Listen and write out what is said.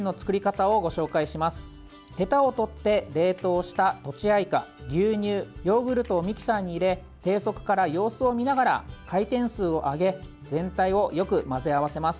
冷凍した、とちあいか牛乳、ヨーグルトをミキサーに入れ低速から様子を見ながら回転数を上げ全体をよく混ぜ合わせます。